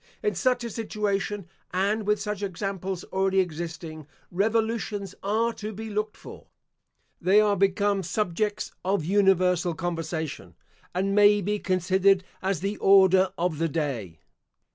In such a situation, and with such examples already existing, revolutions are to be looked for. They are become subjects of universal conversation, and may be considered as the Order of the day.